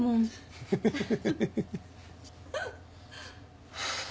フフフフフ。